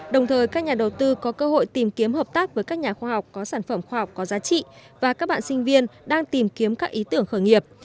đồng thời các nhà đầu tư có cơ hội tìm kiếm hợp tác với các nhà khoa học có sản phẩm khoa học có giá trị và các bạn sinh viên đang tìm kiếm các ý tưởng khởi nghiệp